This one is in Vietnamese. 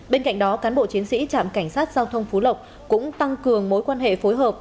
bên cạnh đó cán bộ chiến sĩ trạm cảnh sát giao thông phú lộc cũng tăng cường mối quan hệ phối hợp